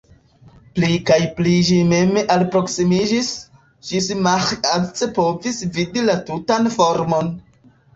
Pli kaj pli ĝi mem alproksimiĝis, ĝis Maĥiac povis vidi la tutan formon.